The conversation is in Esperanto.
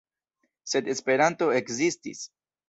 Sed Esperanto ekzistis!